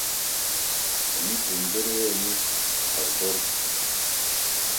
Ани, думдыруеи ани, апарторг?